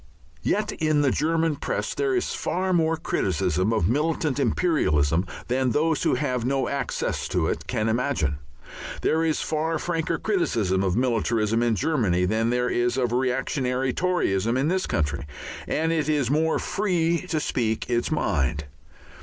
Yet in the German Press there is far more criticism of militant imperialism than those who have no access to it can imagine. There is far franker criticism of militarism in Germany than there is of reactionary Toryism in this country, and it is more free to speak its mind.